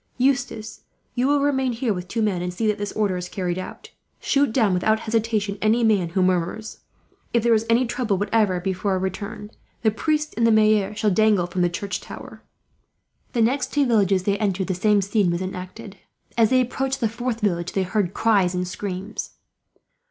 "Eustace, you will remain here with two men, and see that this order is carried out. Shoot down without hesitation any man who murmurs. If there is any trouble whatever, before our return, the priest and the maire shall dangle from the church tower." The next two villages they entered, the same scene was enacted. As they approached the fourth village, they heard cries and screams.